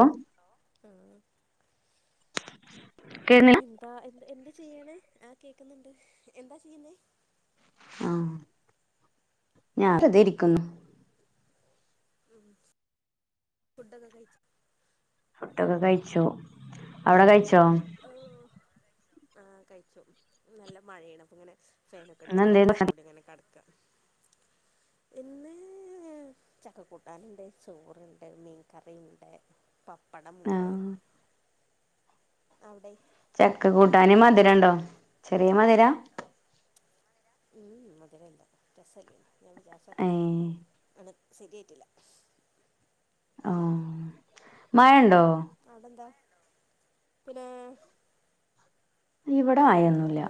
ആഹ് ഉം കേൾക്കുന്നില്ല എന്താ എ എന്ത് ചെയ്യണേ ആ കേക്കുന്നുണ്ട് എന്താ ചെയ്യുന്നേ ആഹ ഞാനേർതെരിക്കുന്നു ഉ ഫുടൊക്കെ കഴിച്ച? ഫു‌ഡോക്കെ കഴിച്ചു അവിടെ കഴിച്ചോ? ഓ ആ കഴിച്ചു നല്ല മഴെണ് അപൊങ്ങനെ ഫാനൊക്കെ ഇട്ട് ഇന്നെന്തേനു പൊതച് ഭക്ഷണ മൂടി ഇങ്ങനെ കടകുവ. [unintelligible] ചക്കക്കൂട്ടാനുണ്ട് ചോറ്ണ്ട് മീൻകറിയുണ്ട് പപ്പടമുണ്ട്. ആഹ് [unintelligible] അവിടെ ചക്ക കൂട്ടാനും മധുരംണ്ടോ ചെറിയ മധുരാ മധുര ഇല്ല രസല്ല ഞാൻ വിചാരിച്ചത്ര ഏഹ് അ ശരിയയിട്ടില്ല. ആഹ് മഴണ്ടോ അതെന്താ പിന്നെ ഇവിടെ ആയൊന്നൂല്ല.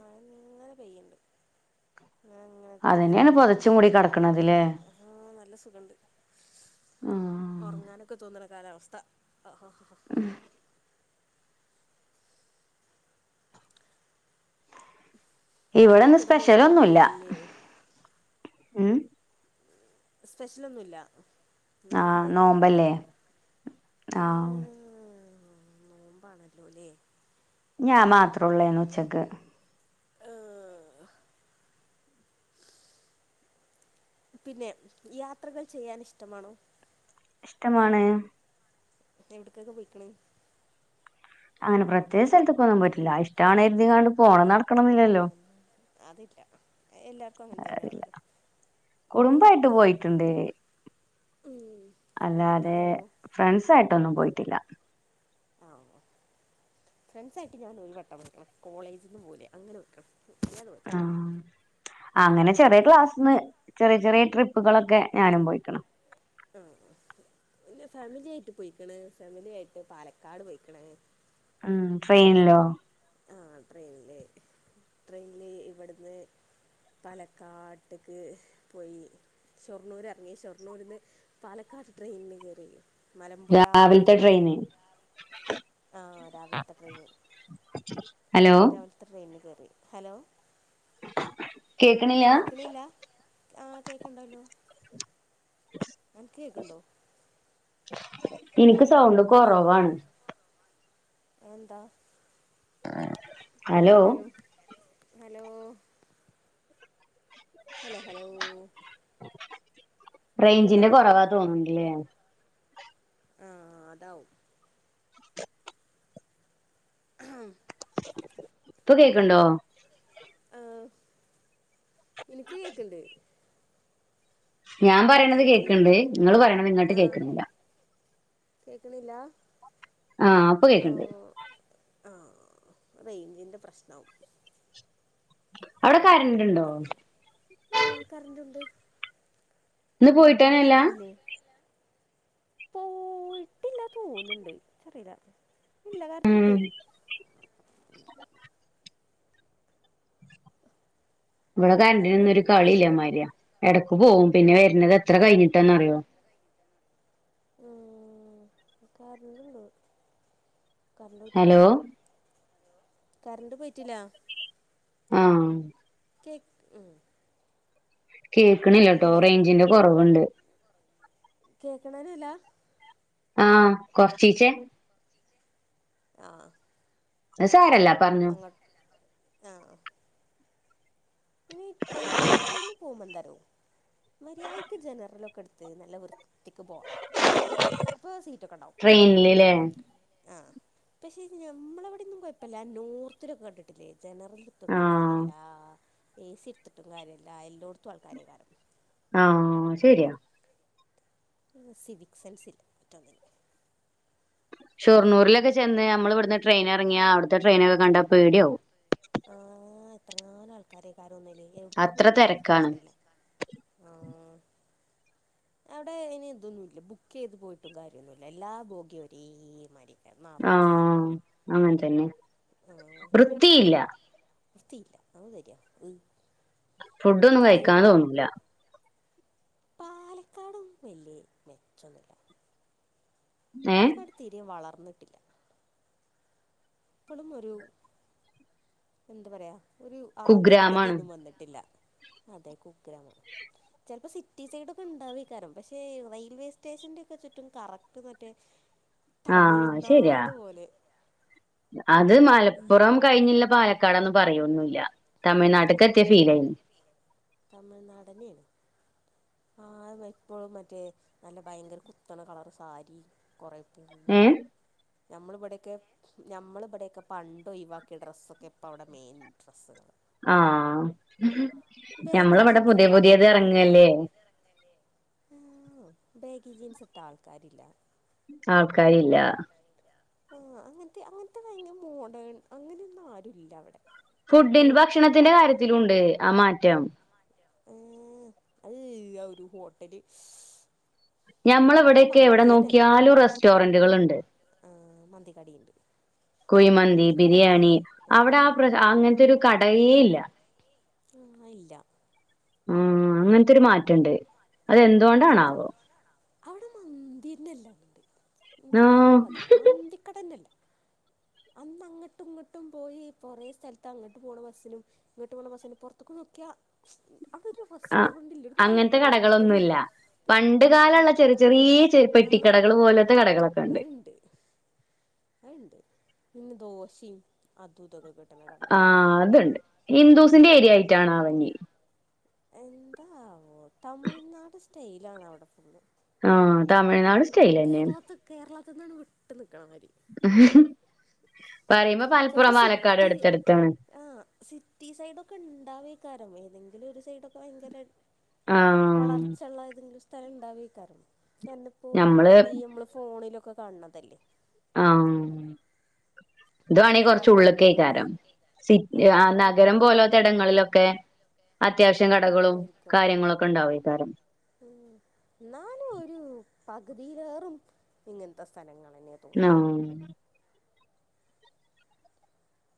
മഴങ്ങനെ പെയ്യണ്ട്. ങ്ങനെത്തെ അതന്നെയാണ് ചാറിങ്ങനെ പൊതച്ചും മൂടി നിക്കാണ് കെടക്കണതില്ലേ ഉം നല്ല സുഖണ്ട്. ആഹ് ഉറങ്ങാനൊക്കെ തോന്നണ കാലാവസ്ഥ ആഹ. ആഹ താങ്കൾ ഇവടന്ന് സ്പെഷ്യലൊന്നൂല്ല കിടന്നുറങ്ങുന്നില്ലേ ഉം സ്പെഷ്യലൊന്നൂല്ല. എന്നാലും ആഹ് എന്തേലക്ക ണ്ടാവല്ലോ നോമ്പല്ലേ ആഹ്. ആ നോമ്പാണല്ലോല്ലേ? ഞാ മാത്രള്ളേന്ന് ഉച്ചക്ക്. ആഹ് പിന്നെ യാത്രകൾ ചെയ്യാൻ ഇഷ്ടമാണോ? ഇഷ്ടമാണ്. എവിടക്കൊക്കെ പോയിക്കണ. അങ്ങനെ പ്രത്യേക സ്ഥലത്ത് കൊന്നും പോയിട്ടില്ല ഇഷ്ടമാണ് കെര്തീകാണ്ട് പോണം നടക്കണം എന്നില്ലല്ലോ? ആഹ് അതില്ല എല്ലാർക്കും അങ്ങനെ തന്നെയാല്ലോ. കുടുംബയിട്ട് പോയിട്ടുണ്ട്. ഉം. അല്ലാതെ എവിടക്കാണാവോ ഫ്രണ്ട്സ ആയിട്ടൊന്നും പോയിട്ടില്ല. ആഹ് ഫ്രണ്ട്സ ആയിട്ട് ഞാൻ ഒരു വട്ടം പോയിക്കണ് കോളേജിന്ന് പോവൂലെ അങ്ങനെ പോയിക്കണ് ആഹ് അങ്ങനെ ചെറിയ ക്ലാസ്ന്ന് ചെറിയ ചെറിയ ട്രിപ്പുകളൊക്കെ ഞാനും പോയിക്കണ്. ആഹ്. പിന്നെ ഫാമിലി ആായിട്ട് പോയിക്കണ് ഫാമിലി ആയിട്ട് പാലക്കാട് പോയിക്കണ്. ഉം ട്രെയിനിലോ? ട്രെയിൻല് ഇവിടുന്ന് പലക്കാട്ട്ക്ക് പോയി ഷൊർണ്ണൂർ എറങ്ങി ഷൊർണ്ണൂര്ന്ന് പാലക്കാട് ട്രെയിന് കേറി. രാവിൽത്തെ ട്രെയിന് ആഹ് രാവിൽത്തെ ട്രെയിന് ഹലോ രാവിൽത്തെ ട്രെയിൻല് കേറി ഹലോ കേക്കണില്ല കേക്ക്ണില്ല ആഹ് കേക്ക്ണ്ടല്ലോ അൻക്ക് കേക്ക്ണ്ടോ എനിക്ക് സൗണ്ട് ഹലോ കൊറവാണ് അതെന്താ ഹലോ കുഴപ്പമില്ലല്ലോ ഹലോ ഹലോ ഹലോ കേക്ക്ണ്ടോ റേഞ്ചിന്റെ കൊറവാ തോന്ന്ണ്ട്ല്ലേ ആ അതാവും [inaudible] ആ ഇപ്പ കേക്ക്ണ്ടോ ആ എനിക്ക് കേക്ക്ണ്ട് ഞാൻ പറയണത് അനക്ക് കേൾക്ക്ണ്ട് കേക്ക്ണ് നങ്ങള് പറയണ്ത് ഇങ്ങട്ട് കേക്ക്ണില്ല കേക്ക്ണില്ലാ ആ പ്പം കേക്ക്ണ്ട് ആ റേഞ്ചിൻ്റെ പ്രശ്നാവും അവിടെ കാരന്റ് ണ്ടോ ആഹ് കറന്റുണ്ട് ഇന്ന് പോയിട്ടെന്നെല്ലാ പോയിട്ടില്ലാ തോന്ന്ണ്ട് ക്കറീല ഇല്ല കരൻ്റ് ഉം ണ്ടേനി ഇവിടെ കറണ്ടൊക്കെ കരന്റിനിന്നൊരു ഉണ്ട് കളി ഇള്ള കറണ്ട് മാരിയാ എടക് പോവും പിന്നെ വരുന്നത് എത്ര കഴിഞ്ഞിട്ടാന്നറിയോ ഉം കാരൻ്റ്ണ്ട് കരണ്ട് പോട്ടില്ല ഹലോ കരന്റ് പോയിട്ടില്ല ആ കേക്ക് ഉം കേക്ക്ണില്ലാട്ടോ പിന്നെ റേഞ്ചിന്റെ കൊറവുണ്ട് കേക്ക്ണെന്നെല്ലാ ആ കൊറച്ചിച്ചേ ആ അത് സാരല്ല പറഞ്ഞോ അങ്ങ ആഹ് ഈ ട്രെയിന് ട്രെയിന് പോവുമ്പോ ന്താറിയോ മര്യായ്ക്ക് ജനറലൊക്കെ എട്ത്ത് നല്ല വൃത്തിക്ക് പോണം ട്രെയിൻല് ലേ പക്ഷെ ഇതു ഞമ്മളിവിടൊന്നും കുഴപ്പില്ല നോർത്തിലൊക്കെ കണ്ടിട്ടില്ലേ ജനറൽ എടുത്തിട്ടും ആഹ് കാര്യല്ല എ സി എട്ത്തിട്ടും കാര്യല്ല എല്ലോട്ത്തും ആൾക്കാരെയ്ക്കാരം ആ ശെരിയാ സിവിക് സെൻസില്ല ഒറ്റൊന്നിനും ഷൊർണൂരിലൊക്കെ ചെന്ന് നമ്മൾ ഇവിട്ന്ന് ട്രെയിൻ എറങ്ങിയാ അവിട്ത്തെ ട്രയിനൊക്കെ കണ്ടാ പേടിയാവും ആഹ് എത്രങ്ങാനും ആൾക്കാരെയ്കാരം ഒന്ന്ല് എവിട്ക്കാ അത്ര പോണ്ടെന്ന് ഓൽക്കെന്നെ തെരക്കാണ് അറീല ആ അവിടെ ഇ എന്തൊന്നുല്ല ബുക്ക് ചെയ്ത് പോയിട്ടും കാര്യൊന്നുല്ല എല്ലാ ബോഗിം ഒരേമാതിരി ആ അങ്ങനെ തന്നെ ആഹ് വൃത്തിയില്ല വൃത്തിയില്ല അത് ശരി ഉ ഫുഡൊന്നും കഴിക്കാൻ തോന്നില്ല പാലക്കാടും വല്ലേ മെച്ച ന്നുല്ല ഏഹ് പാലക്കാട് തീരേം വളർന്നിട്ടില്ല ഇപ്പളും ഒരു എന്താ പറയാ ഒരു കുഗ്രാമാണ് ആധുനികതയൊന്നും വന്നിട്ടില്ല അതെ കുഗ്രാമം ചിലപ്പോ സിറ്റി റ്റി സൈഡ ഒക്കെ ഉണ്ടാവക്കാരം പക്ഷേ റെയിൽവേ സ്റ്റേഷന്റെ ഒക്കെ ചുറ്റും കറത്തു മറ്റേ ആഹ് ശരിയാ തമിഴ്നാട് പോലെ അത് മലപ്പുറം കഴിഞ്ഞില്ല പാലക്കാടന്ന് പറയോന്നല്ല തമിഴ് നാട്ടിക്ക് എത്തിയ ആഹ് ഫീലായി തമിഴ്നാട് തന്നെയാണ് ആ എപ്പോഴും മറ്റേ നല്ല ഭയങ്കര കുത്തണ കളർ സാരി കുറെ ഏ [inaudible] നമ്മളിവിടെയൊക്കെ നമ്മൾവിടെക്കെ പണ്ട് ഒഴിവാക്കിയ ഡ്രസ്സൊക്കെ ഇപ്പ അവിടെ മെയിൻ ഡ്രസ്സുകള് ആഹ ബാഗി ഞമ്മളവിടെ ജീൻസ് പുതിയ ഇട്ട പുതിയത് ആൾക്കാരില്ല ഇറങ്ങല്ലേ ബേഗി ജീൻസ് ഇട്ട ആൾക്കാരില്ല ആൾക്കാരില്ല ആ അങ്ങനത്തെ അങ്ങനത്തെ ഭയങ്കര മോഡേൺ അങ്ങനെയൊന്നും ആരുല്ല അവിടെ അവിടെ ഫുഡി് ഇപ്പളും ഭക്ഷണത്തിന്റെ പ കാര്യത്തിലുണ്ട് ആ മാറ്റം ആ അല്ല ഒരു ഹോട്ടല് ഞമ്മൾ അവിടെ എവിടെയൊക്കെ എവിടെ നോക്കിയാലും റെസ്റ്റോറന്റുകൾുണ്ട് ആ മന്തികടുണ്ട് കുയിമന്തി ബിരിയാണി അവിടെ ആ ഏഹ് പ്ര അങ്ങനത്തെ ഒരു കടയേ ഇല്ല ആഹ ഇല്ല ആ അങ്ങനത്തെരു മാറ്റുണ്ട് അതെന്തൊണ്ടാണാവോ പിന്നല്ല മന്തി എനിക്ക അറിവ് അതാണ് മന്തി കടന്നല്ല അന്ന് അങ്ങോട്ടും ഇങ്ങോട്ടും പോയി കുറേ സ്ഥലത്ത് അങ്ങോട്ട് പോണ ബസ്സിനും ഇങ്ങോട്ട് പോണ ബസ്സിനും പുറത്തൊക്കെ നോക്കിയ അതൊരു ആഹ് റെസ്റ്റോറന്റ്ല്ല ഒരു നല്ല അങ്ങനത്തെ ഹോട്ടല ഇല്ല കടകളൊന്നുല്ല പണ്ട് കാലമുള്ള ചെറിയ ചെറിയ രി ആഹ് പെട്ടിക്കടകൾ പോലത്തെ കടകളൊക്കെണ്ട് അണ്ട് പിന്നെ ദോശയും അദ്വുതകൾ കെട്ടും ആ അതുണ്ട് ഹിന്ദൂസിന്റെ ഏരിയ ആയിട്ടാണ് അവഞ്ഞ എന്താ തമിഴ്നാട് സ്റ്റൈല ആണ് അവിടെ ഫുൾ ആഹ തമിഴ്നാട് സ്റ്റൈൽ തന്നെയാണ് ന്നാണ്ട് വിട്ട് നി പറ ചിലപ്പോ സിറ്റി ആ സിറ്റി സൈഡ ഒക്കെ ഉണ്ടാവേക്കാര ഏതെങ്കിലും അതി ഒരു സൈഡ ഒക്കെ ഭയങ്കര വളർച്ചള്ള ആഹ ഏതെങ്കിലും സ്ഥലം ഇണ്ടാവക്കാറ കാരണം ഇപ്പോ ഞമ്മള് ഈ നമ്മള് ഫോണിലൊക്കെ കാണണതല്ലേ ആഹ ഇത് വേണെങ്കിൽ കൊറച്ച പാലക്കാട് ഉള്ളൊക്കെ ഭംഗിയുള്ള ആക്കാരം സി ആഹ് ആ ഭംഗ് നഗരം പോലാത്തെ ഇടങ്ങളിലൊക്കെ അത്യാവശ്യം കടകളും കാര്യങ്ങളൊക്കെ ഉണ്ടാവുംകാരം ഉ എന്നാലും ഒരു പകുതിയിലേറും ഇങ്ങനത്തെ സ്ഥലങ്ങളാണ് ആ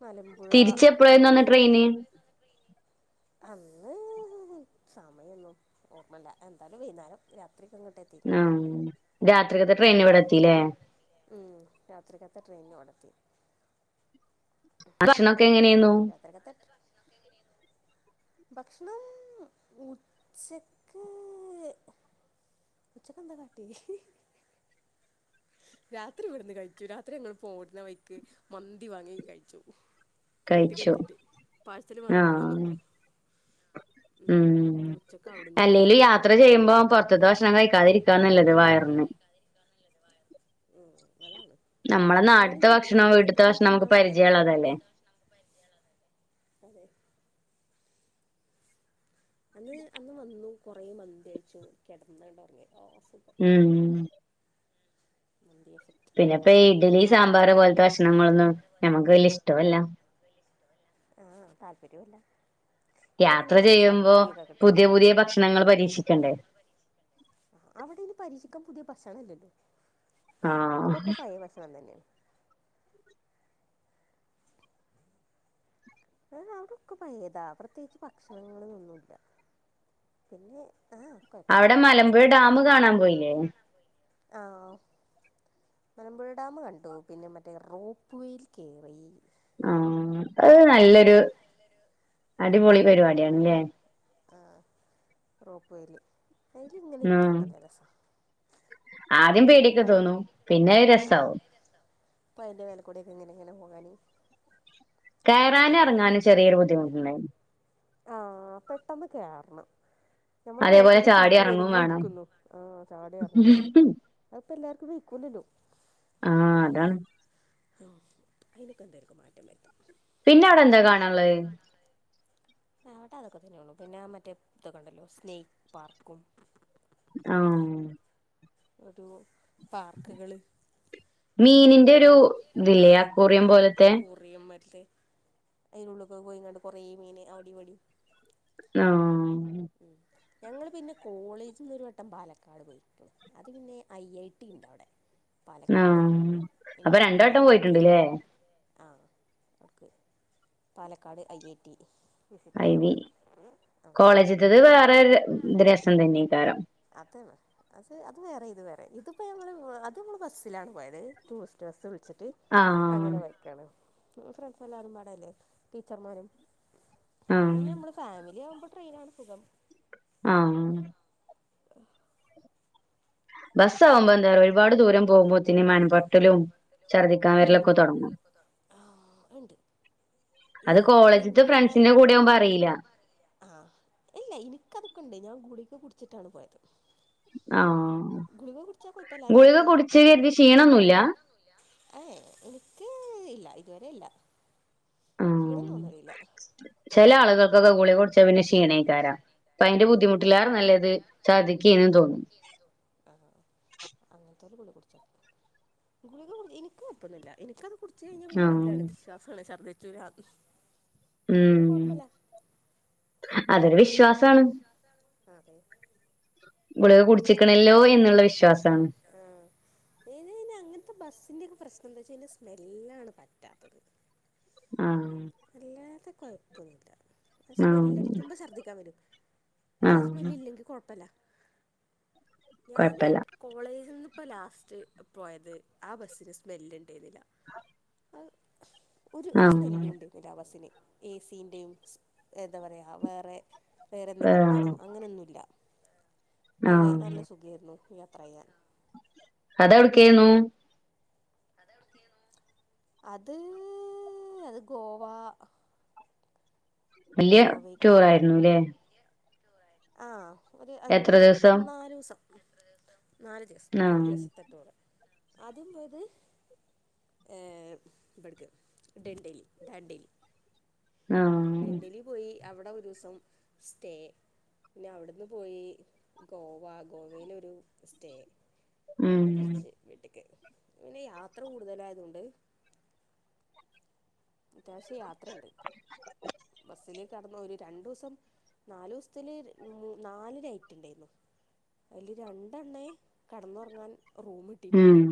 മലമ്പുഴ തിരിച്ച എപ്പോഴായിരുന്നു വന്ന അവിടെയും ട്രെയിന് അന്ന് സമയൊന്നും ഓർമ്മല്ല എന്താലും വൈകുന്നേരം ആഹ രാത്രികത്തെ ട്രെയിൻ ഇവിടെ എത്തില്ലേ ഉം രാത്രിക്കത്തെ ട്രെയിൻഓടത്തി ഭക്ഷണൊക്കെ എങ്ങനെയായിരുന്നു [unintelligible] ഭക്ഷണം ഉച്ചക്ക്... ഉച്ചക്കെന്താ കാട്യേ? രാത്രി ഇവിടുന്ന് കഴിച്ചു. രാത്രി ഞങ്ങള് പോര്ന്ന വൈക്ക് മന്തി വാങ്ങി കഴിച്ചു. കഴിച്ചു വീട്ടക്കെത്തീട്ട് പാഴ്സൽ വാങ്ങിപ്പോന്നു. ആഹ് ഉം അവിടുന്ന് കഴിച്ചു അല്ലേലും യാത്ര ചെയ്യുമ്പോ, പൊർത്ത്ത്തെ ഭക്ഷണം കഴിക്കാതിരിക്കാ നല്ലത് വയറിന്. [inaudible] ഉം അതാണ് നമ്മളെ നാട്ട്ത്തെ ട്രെയിനിൽ ഒന്നും ഭക്ഷണും, തിന്നരുത് വീട്ട്ത്തെ ട്രെയിനിൽ ഭക്ഷണും നമുക്ക് തിന്നാ വയറിളകും പരിചയള്ളതല്ലെ. [unintelligible] അന്ന്, അന്ന് വന്നു കൊറേ മന്തികയിച്ചു കെടന്നണ്ടൊറങ്ങി ഉംമ്...... മന്തി എഫക്റ്റ് പിന്നെപ്പെയ് ഇഡലി സാമ്പാറ്പോലത്തെ ഭക്ഷണങ്ങളൊന്നും ഞമ്മക്ക് വല്യെഷ്ട്ടോല്ലാ. ആ താല്പരയോല്ല്യാ. യാത്ര ചെയ്യുമ്പോ പുതിയപുതിയേ ഭക്ഷണങ്ങള് പരീക്ഷിക്കണ്ടേ. അവിടെയ്ന് പരീക്ഷിക്കാൻ പുതിയ ഭക്ഷണല്ലല്ലോ.. ആഹ് അവടൊക്കെ പഴേ ഭക്ഷണംതന്നെയാണ്. അ അവ്ടൊക്കെ പയേതാ. പ്രത്യേകിച്ച് ഭക്ഷണങ്ങളൊന്നൂല്ല്യ. അവ്ടെ മലമ്പുഴ ഡാമ് കാണാൻ പോയിലേ? ആ മലമ്പുഴ ഡാമ് കണ്ടു പിന്നെ മറ്റേ റോപ്പ് വേൽ കേറീ... ആ.. അത് നല്ലൊരു അടിപൊളിപരിപാഡ്യാണ്ലെ. ആ റോപ്പുവേല് അതില്ങ്ങനിരിക്കാൻ ആഹ് നല്ല രസാ. ആദ്യം പേഡ്യൊക്കെതോന്നും പിന്നത് രസാവും. ഇപ്പയ്ന്റെ മേലക്കൂഡ്യൊക്കെ ഇങ്ങനങ്ങനെ പോവാന് കയറാനും സുഖാണല്ലൊ ഇറങ്ങാനും ചെറിയൊരു കേറാനുംഎറങ്ങാനും ചെറിയൊരു ബുദ്ധിമുട്ടുണ്ടായിരുന്നു ബുദ്ധിമുട്ടുണ്ട് ആ. പെട്ടെന്ന്കേറണം. അതേപോലെ ഞമ്മളബേക്ക്ക്ക് ചാടി സീറ്റ് ഇറങ്ങും വരുന്നു വേണം ഇരിക്കുന്നു. ആ... ചാടിഎറങ്ങും മാണം. ഇപ്പല്ലാർക്കും വെയ്ക്കൂലല്ലോ ആ അതാണ്. ഓ.. അയിനക്കെന്തേലൊക്കെ മാറ്റം വരുത്തണം. പിന്നവ്ടെന്ത കാണാള്ളത്? അവ്ടതൊക്കെതന്നെയൊള്ളു പിന്നെ മറ്റേ തൊക്കെണ്ടല്ലൊ സ്നേക്ക് പാർക്കും ആ.. ഒരു പാർക്ക്കള് രണ്ട് മൂന്ന് മീനിന്റെ ഒരു പാർ ആ ഇതില്ലേ അക്കൂറിയം [unintelligible] പോലത്തെ അക്കൂറിയയും മറ്റെ അയ്ന്റുള്ളുക്കൊക്കെ പോയിങാണ്ട് കൊറേ മീന് അവ്ടേം ഇവ്ടേം. ആ..... [unintelligible] ഞങ്ങള് പിന്നെ കോളേജിന്നൊരുവട്ടം പാലക്കാട് പോയിക്ക്ണ് അത്പിന്നെ ഐഐടി ണ്ടവ്ടെ. ആ അപ്പൊ രണ്ട് വട്ടം പോയിട്ട്ണ്ട്ലേ. അ അവ്ട്ക്ക് പാലക്കാട് ഐഐടി. വിസിറ്റെയ്യാൻ ഐവി പൊയ്ക്ക്ണ്. തൊരു ത് രസം തന്നേകാരം. അതണ് അത് അത് വേറെ ഇത് വേറെ. ഇതിപ്പോഞമ്മള് വ്.. അത് നമ്മള് ബസ്സിലാണ് പോയത് ടൂറിസ്റ്റ് ബസ്സ്. ച്ചിട്ട് ആഹ് അങ്ങനെപൊയ്ക്കാണ്. മ് ഫ്രണ്ട്സെല്ലാരുമ്പാടെല്ലെ ടീച്ചർമാരും. ആഹ് അങ്ങനെ നമ്മള് ഫാമില്യാവുമ്പോ ട്രെയിനാണ് സുഖം. ആ... [inaudible] ബസാവുമ്പന്താറിയോ ഒരുപാട് ദൂരം പോവുമ്പോത്തിന് മനംപൊരട്ടലും ഛർദ്ദിക്കാംവരലൊക്കെ തൊടങ്ങും. [inaudible] ണ്ട്. അത് കോളേജ്ത്തെ ഫ്രണ്ട്സിന്റെ കൂടെയാവുമ്പോ അറിയിയില. ഇല്ല ഇനിക്കതൊക്കണ്ട് ഞാൻ ഗുളിക കുടിച്ചിട്ടാണ് പോയത് ആ.. ഗുളിക കുടിച്ചാ ഗുളിക കുടിച്ചീന്ന് കരുതി ക്ഷീണൊന്നുല്ല്യാ.. എ എ എനിക്ക്... ഇല്ല ഇതുവരെല്ല ക്ഷീണം തോന്നലില്ല ചെലാള്കൾകൊക്കെ ഗുളികൊടിച്ചാപിന്നെ ക്ഷീണാവും അപ്പയ്ന്റെ ബുദ്ധിമുട്ടിലേറെ നല്ലത് ഛർദിക്കേന്ന് തോന്നും തറി ഗുളികട്ച എനിക്ക്‌ പ്പൊന്നില്ല എനിക്കത് കുടിച്ച് കഴിഞ്ഞാ പിന്നൊരുതാണ് ആഹ് വിശ്വാസാണ് ശർദ്ധിചൂലാന്ന് അപ്പപിന്നെ ഉം കൊഴപ്പല്ല അതൊരു വിശ്വാസാണ് അതെ ഗുളിക കുടിച്ചിക്കണല്ലോ എന്ന്ള്ള വിശ്വാസം ആ അയ്‌നയ്ന് അങ്ങൻത്തെ ബസ്സിന്റെക്ക പ്രശ്ന എന്താച്ചയിന്റെ സ്മെല്ലാണ് പറ്റാത്തത് ആ കുഴപ്പൊന്നുല്ല ആ ആഹ് സ്മെല്ലടിക്കുമ്പ ശർദ്ധിക്കാവരും പക്ഷേ ആ ആഹ് സ്മെല്ലില്ലെങ്കിൽ കുഴപ്പല്ല ഞാന് കൊഴപ്പല്ല കോളേജ്ന്ന് പ്പ ലാസ്റ്റ് പോയത് ആ ബസ്സിന് സ്മെല്ല്ണ്ടേരുന്നില്ല ഒര് ഒര് ആഹ് സ്മെല്ലുണ്ടേര്ന്നില്ല ആ ബസ്സിന് എസീൻ്റെയും എന്താപറയ വേറെ വേറെ ആഹ് എന്തെങ്കിലുംമണോ അങ്ങനെന്നുല്ല നല്ല ആഹ് നല്ല സുഖേര്ന്നു യാത്രയ്യാൻ ആ എവ്ടെകേന്നു അത് എവട്ക്കേന്നു അത് അത് ഗോവ വല്യ ഗോവയ്ക്ക് ടൂറയിരുന്നു ലേ ആ ഒരു അഞ്ച് ദിവസം നാലൂസം നാല്ദിവസം ആഹ് നാല്ദിവസത്തെ ടൂർ ആദ്യംപോയത് ഏ ഇബട്ക് ടെണ്ഡലി ഡൻഡലി ആ അവിടെ ഒരൂസം സ്റ്റേ പിന്നെ അവിട്ന്ന് പോയി ഗോവ ഗോവേലൊരു സ്റ്റേ പിന്നെ ഉം തിരിച്ച് വീട്ട്ക്ക് പിന്നെ യാത്ര കൂടുതലായതോണ്ട് അത്യാവശ്യം യാത്രണ്ട് ബസ്സില് കെടന്ന്ഒര് രണ്ടൂസം നാലൂസ്ത്തില് നാലരയിട്ട്ണ്ടേര്ന്ന് അല് രണ്ടെണ്ണേ കടന്നൊർങ്ങാൻ ഒറൂമ്ട്ടിട്ടുള്ളു ഉം